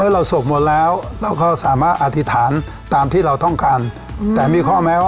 เราสวดมนต์แล้ว